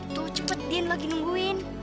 tuh cepet din lagi nungguin